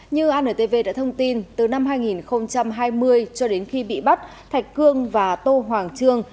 như antv đã thông tin từ năm hai nghìn hai mươi cho đến khi bị bắt thạch cương và tô hoàng trương